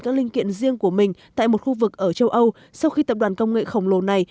các linh kiện riêng của mình tại một khu vực ở châu âu sau khi tập đoàn công nghệ khổng lồ này